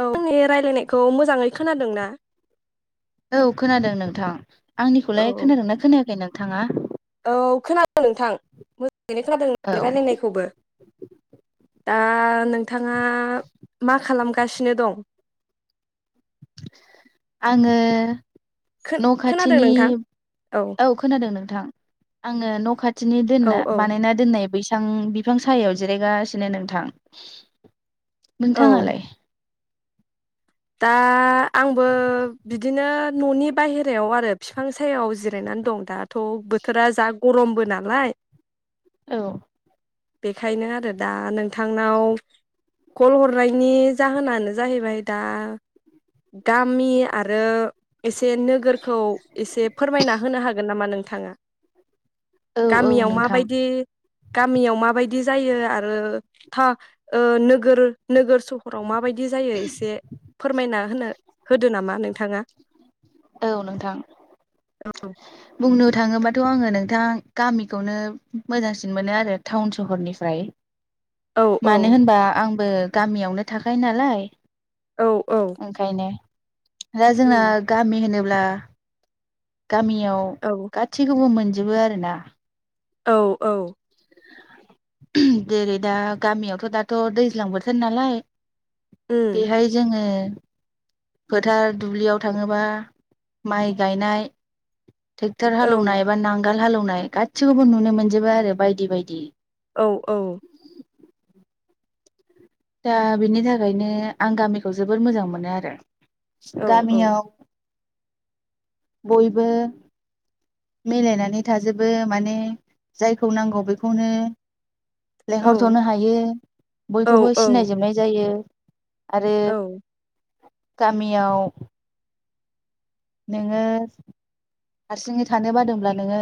औ आंनि रायलायनायखौ मोजाङै [inaudible] औ खोनादों नोंथां। आंनिखौलाय औ खोनादोंना खोनायाखै नों। थाङा। औ खोनादों नोंथां मोजाङैनो खोनादों औ नोंनि रायलायनायखौबो। दा नोंथां। थाङा मा खालाम गासिनो दं। आङो। न' खोनादों खाथिनि नोंथां औ खोनादों नोंथां आङो न' खाथिनि औ दोनना औ बानायना दोननाय बैसा थां बिफां सायायाव जिरायगासिनो नोंथां। औ नोंथाङालाय? दा आंबो बिदिनो न'नि बायाहेरायाव आरो बफफां सायाव जिरायनानै दं दाथ' बोथोरा जा गरमबो नालाय। औ। बेखायनो आरो दा नोंथांनाव कल हरनायनि जाहोनानो जाहैबाय दा। गामि आरो एसे नोगोरखौ एसे फोरमायना होनो हागोन नामा नोंथाङा। औ औ गामियाव नोंथां माबायदि। गामियाव माबायदि जायो आरो था-ओ-नोगोर नोगोर सहराव माबायदि। बिदि जायो एसे। फोरमायना होनो होदो नामा नों। थाङा। औ नोंथां। औ। बुंनो थाङोबाथ' आङो नोंथां गामिखौनो मोजांसिन मोनो आरो टाउन सहरनिफ्राय। औ औ मानो होनबा आं। बो गामियावनो थाखायो नालाय। औ औ ओंखायनो। दा जोंना गामि होनोब ब्ला । गामियाव गासैखौबो मोनजो जोबो आरो ना। औ औ। जेरै दा गामियावथ' दाथ' दैज्लां बोथोर नालाय। उम बेहाय जोङो। [inaudible] फोथार दुब्लियाव थाङोबा माइ गायनाय। टेक्टर औ हालौनाय बा नांगाल हालौनाय। नाय गासिखौबो नुनो मोनजोबो आरो बायदि बायदि। औ औ दा बिनि थाखायनो आं गामिखौ जबोर मोजां मोनो आरो। औ औ गामियाव। बयबो। मिलायनानै थाजोबो माने जायखौ नांगौ बेखौनो। औ लेंहरथ'नो हायो औ बयखौबो सिनायजोबनाय जायो। आरो। गामिआव । नोङो हारसिङै थानो बादोंब्ला नोङो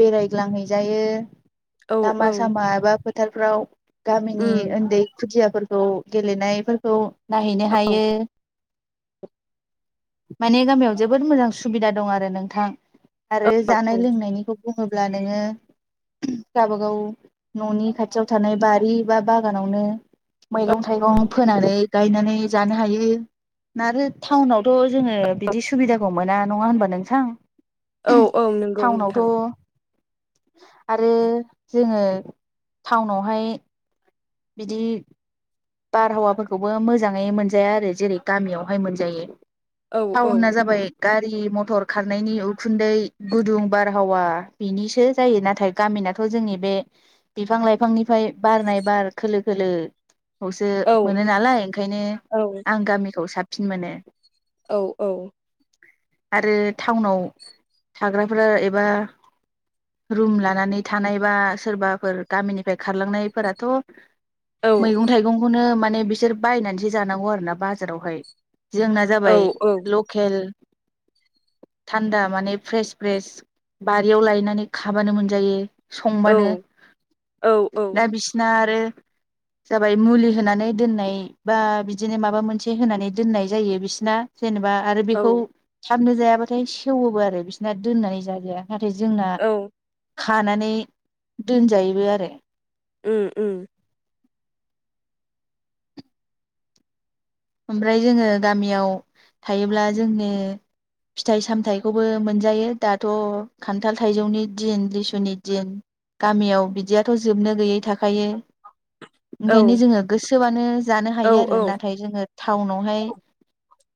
बेरायग्लांहैजायो। औ लामा औ सामा एबा फो फोथारफ्राव गामिनि उम उन्दै खुदिया फोरखौ गेलेनायफोरखौ नायहैनो हायो। माने गामियाव जोबोद मोजां सुबिदा दं आरो नोंथां। आरो औ जानाय लोंनायनिखौ बुङोब्ला नोङो गावबा गाव न'नि खाथियाव थानाय बारि बा बागानावनो मैगं थाइगं फोनानै गायनानै जानो हायो आरो टाउनावथ' जोङो बिदि सु सुबिदाखौ मोना नङा होनबा नोंथां। औ औ नंगौ नोंथां। टाउनावथ' आरो जोङो टाउनावहाय बिदि बारहावाफोरखौबो मोजाङै मोनजाया आरो जेरै गामियावहाय मोनजायो। औ औ टाउना जाबाय गारि मथर खारनायनि उखुन्दै गुदुं बारहावा बिनिसो जायो नाथाय गामिनाथ' जोंनि बे बिफां लाइफांनिफ्राय बारनाय बार खोलो खोलो खौसो औ मोनो नालाय ओंखायनो औ आं गामिखौ साब सिन मोनो। औ औ आरो टाउनाव थाग्राफोरा एबा रुम लानानै थानाय बा सोरबाफोर गामिनिफ्राय खारलांनायफोराथ' औ मैगं खौनो माने बिसोर बायनानैसो जानांगौ आरो ना बाजारावहाय। जोंना औ जाबाय औ लकेल थान्दा माने फ्रेश फ्रेश बारियाव लायनानै खाबानो मोनजायो। संबानो औ दा बिसना आरो जाबाय मुलि होनानै दोननाय बा बिदिनो माबा मोनसे होनानै दोननाय जायो बिसिना। जेनेबा आरो औ बेखौ थाबनो जायाबाथाय सेवोबो आरो बिसिरना दोननानै जाजाया। नाथाय जोंना औ खानानै दोनजायोबो आरो। उम उम ओमफ्राय जोङो गामियाव थायोब्ला जोंनो फिथाइ सामथाइखौबो मोनजायो दाथ' खान्थाल थाइजौनि दिन लिसुनि दिन गामियाव बिदियाथ' जोबनो गैयै थाखायो। औ ओंखायनो जोङो गोसोबानो जानो औ हायो औ आरो नाथाय जोङो टाउनावहाय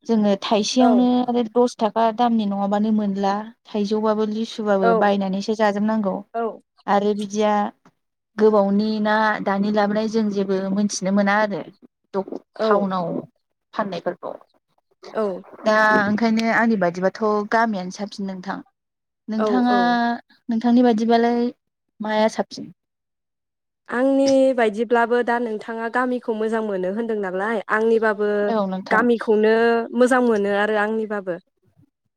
जोङो औ थाइसेयावनो आरो दस थाखा दामनि नङाबानो मोनला थाइजौबाबो लिसु सुबाबो बायनानैसो जाजोबनांगौ आरो बिदिया गोबावनि ना दानि लाबोनाय जों जेबो मोनथिनो मोना आरो? द टाउनाव फाननायफोरखौ औ दा ओंखायनो आंनि बादिबाथ' गामियानो साबसिन नोंथां । औ नोंथाङा? औ नोंथांनि बायिबालाय माया साबसिन? आंनि बायदिब्लाबो दा नोंथाङा गामिखौ मोजां मोनो होनदों नालाय आंनिबाबो बो औ नोंथां गामिखौनो मोजां मोनो। आरो आंनिबाबो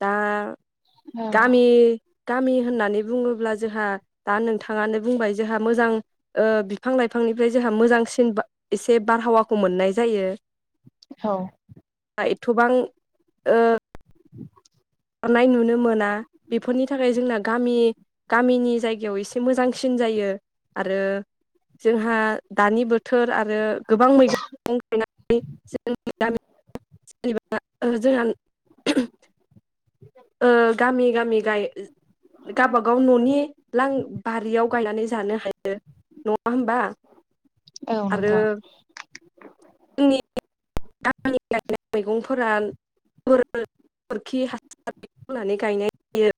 दा औ गामि गामि होननानै बुङोब्ला जोंहा दा नोंथाङानो बुंबाय जोंहा मोजां ओ बिफां लाइफांनिफ्राय जोंहा मोजांसिन एसे बारहावाखौ मोननाय जायो। औ एथ'बां ओ [inaudible] नाय नुनो मोना बेफोरनि थाखाय जोंना गामि गामिनि जायगायाव एसे मोजांसिन जायो आरो जोंहा दानि बोथोर आरो गोबां मैगं [unintelligible] थाइगं [unintelligible] गायनानै जों [unintelligible] गामिबा [unintelligible] जोंहा ओ गामि गामि गाय गबागाव न'नि लां बारियाव गायनानै जानो हायो नङा होबा? औ आरो नोंथां जोंनि [unintelligible] [unintelligible] होनानै गायनाय जायो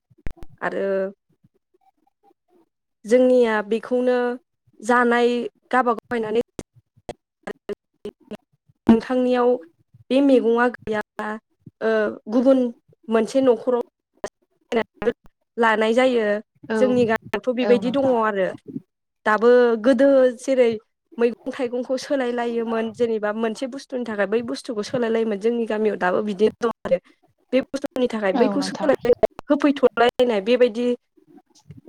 आरो जोंनिया बेखौनो जानाय गाबागाव बायनानै [unintelligible] नोंथांनियाव बे मैगङा या ओ गुबुन मोनसे न'खराव [unintelligible] लानाय जायो औ जोंनि गामिथ' औ बेबायदि दङ नोंथां आरो दाबो गोदो जेरै मैगं थाइगंखौ सोलायलायोमोन जेनेबा मोनसे बुस्थुनि थाखाय बै बुस्थुखौ सोलायलायोमोन जोंनि गामियाव दाबो बिदिनो दं आरो खस्थ'नि थाखाय औ बैखौ नोंथां सोलाय [unintelligible] होफैथ' [unintelligible] लायलायनाय बेबायदि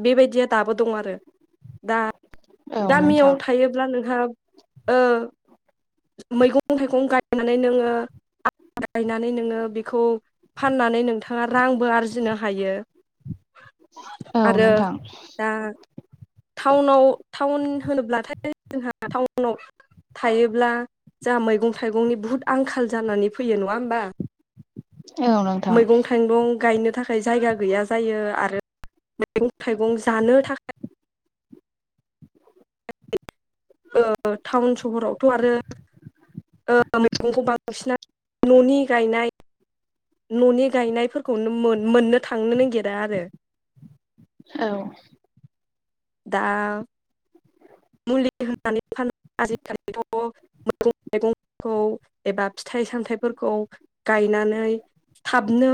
बेबायदिया दाबो दं आरो दा औ गामियाव नोंथां थायोब्ला नोंहा ओ मैगं थाइगं गायनानै नोङो आ गायनानै नोङो बेखौ फाननानै नोंथाङा रांबो आरजिनो हायो। औ आरो नोंथां दा टाउनाव टाउन होनोब्लाथाय जोंहा टाउनाव थायोब्ला जोंहा मैगं थाइगंनि बुहुद आंखाल जानानै फैयो नङा होमबा। औ नोंथां। मैगं थाइगं गायनो थाखाय जायगा गैया जायो आरो मैगं थाइगं जानो थाखाय टाउन सहरावथ आरो मैगंखौ बांसिन न'नि गायनाय न'नि गायनायफोरखौनो मोननो थांनो नागिरा आरो औ दा मुलि होनानै फानो आजिखालिथ मैगं थाइगंखौ एबा फिथाइ सामथाइफोरखौ गायनानै थाबनो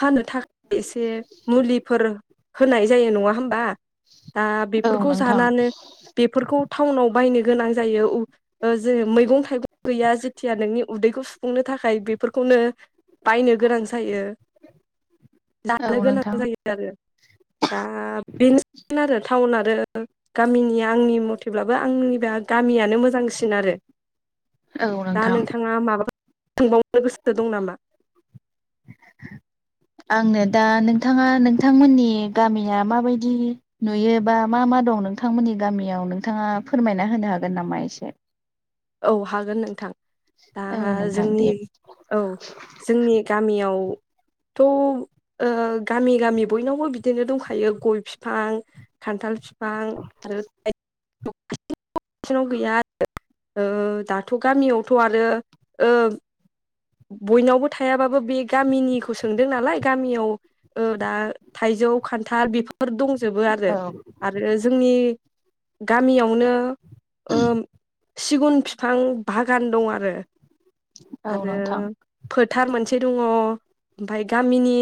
फाननो थाखाय एसे मुलिफोर होनाय जायो नङा होमबा दा औ बेफोरखौ नोंथां जानानो बेफोरखौ टाउनाव बायनो गोनां जायो ओ मैगं थायगं गैया जेथिया नोंनि। उदैखौ सुफुंनो थाखाय बेफोरखौनो बायनो गोनां जायो। औ लानो गोनां नोंथां जायो आरो दा बेनोसै मोन आरो टाउन आरो गामिनि आंनि मथेब्लाबो आंनि बा गामियानो मोजांसिन आरो औ दा नोंथां नोंथाङा माबाफोर सोंबावनो गोसो दं नामा? आंनो दा नोंथाङा नोंथांमोननि गामिया माबायदि नुयो बा मा मा दं नोंथांमोननि गामियाव नोंथाङा फोरमायना होनो हागोन नामा एसे? औ हागोन नोंथां दा औ नोंथां जोंनि दे औ जोंनि गामियाव थ ओ गामि गामि बयनावबो बिदिनो दंखायो गय बिफां खान्थाल बिफां आरो नसे ननैनाव गैया आरो। ओ दाथ गामियावथ आरो ओ बयनावबो थायाबाबो बे गामिनिखौ सोंदों नालाय गामियाव ओ दा थाइजौ खान्थाल बेफोर फोर दंजोबो आरो औ आरो जोंनि गामियावनो सिगुन बिफां बागान दं आरो [inaudible] [inaudible] फोथार मोनसे दङ ओमफ्राय गामिनि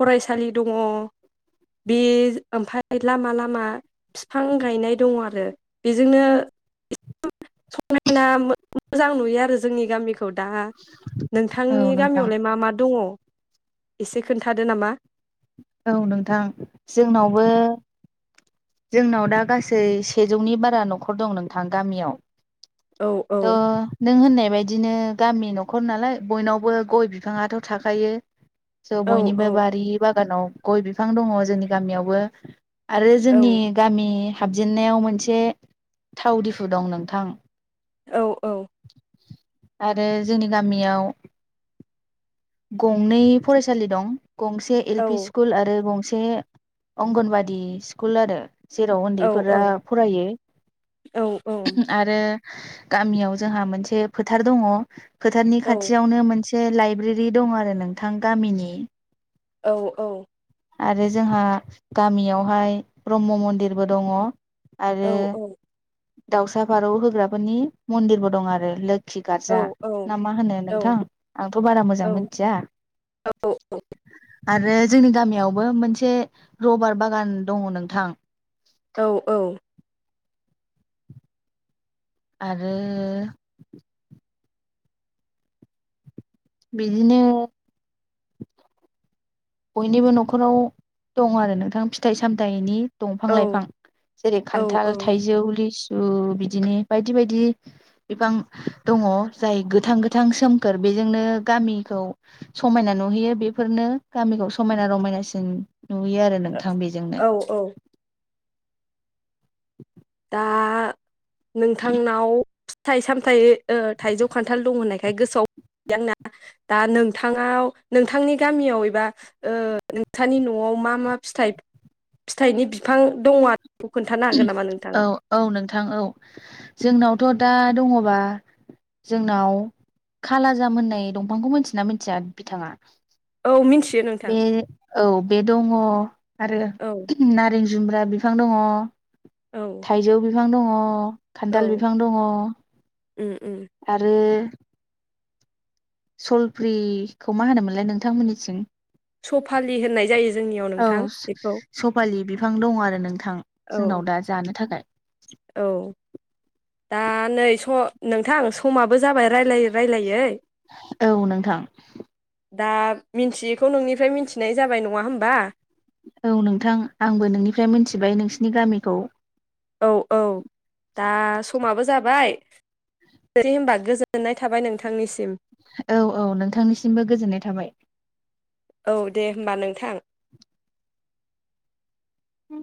फरायसालि दङ बे ओमफ्राय लामा लामा बिफां गायनाय दङ आरो बेजोंनो समायना मोजां नुयो आरो जोंनि गामिखौ दा औ नोंथांनि नोंथां गामियावलाय मा मा दङ? एसे खोन्थादो नामा। औ नोंथां जोंनावबो जोंनाव दा गासै सेजौनि बारा नखर दं नोंथां गामियाव। औ औ थ नों होननाय बेबायदिनो गामि न'खर नालाय बयनावबो गय बिफाङाथ' थाखायो स' औ बयनिबो औ बारि बाग गानाव गय बिफां दङ जोंनि गामियावबो आरो जोंनि गामि हाबजेनन्नायाव मोनसे थाव दिफु दं नोंथां औ औ आरो जोंनि गामियाव गंनै फरायसालि दं गंसे एल औ पि स्कुल आरो गंसे से अंगनबादि स्कुल आरो जेराव औ उन्दैफोरा फरायो औ आरो गामियाव जोंहा मोनसे फोथार दङ फोथारनि औ खाथियावनो मोनसे से लाइब्रेरि रि दं आरो नोंथां गामिनि औ औ आरो जोंहा गामियावहाय ब्रह्म मन्दिरबो दङ। आरो दावसा फारौ होग्राफोरनि मन्दिरबो दं आरो लोग खि औ गार्जा ना मा होनो नोंथां आंथ' बारा मोजां मोन औ औ औ आरो जोंनि गामियावबो मोनसे रबार बागान दङ नोंथां औ औ आरो बिदिनो बयनिबो न'खराव दं आरो नोंथां फिथाइ सामथाइनि दंफां लाइफां जेरै औ खान्थाल औ थाइजौ लिस ओम बिदिनो बायदि बायदि बिफां दङ जाय गोथां गोथां सोमखोर बेजोंनो गामिखौ समायना नुहैयो बेफोरनो गामिखौ समायना रमायनासिन नुयो आरो नोंथां बेजोंनो औ औ [inaudible] दा नोंथांनाव फिथाइ सामथाइ ओ थाइजौ खान्थाल दं होननायखाय गोसोआव फैबाय आंना दा नोंथाङाव नोंथांनि गामियाव एबा ओ नोंथांनि न'आव मा मा फिथाइ फिथाइनि बिफां दङ आर खोन्थानो हागोन नामा नों औ औ नोंथां औ जोंनावथ' दा दङबा जोंनाव खालाजाम होननाय दंफांखौ मोनथियोना मिनथिया बिथाङा? औ मिन्थियो नोंथां बे औ बे दङ आरो औ नारें जुमब्रा बिफां दङ औ थायजौ बिफां दङ खान्थाल औ बिफां दङ उम उम आरो सलफ्रिखौ मा होनोमोनलाय नोंथांमोननिथिं सफालि होननाय जायो जोंनियाव औ नोंथां बेखौ सफालि बिफां दं आरो नोंथां जोंनाव औ दा जानो थाखाय औ दा नै स नोंथां समाब जाबाय रायलायै रायलायै। औ नोंथां दा मिन्थियैखौ नोंनिफ्राय मिथिनाय जाबाय नङा होमबा औ नोंथां आंबो नोंनिफ्राय मोनथिबाय नोंसिनि गामिखौ औ औ दा समाबो जाबाय दै होनबा गोजोननाय थाबाय नोंथांनिसिम। औ औ नोंथांनिसिमबो गोजोननाय थाबाय। औ दे होमबा नोंथां। उ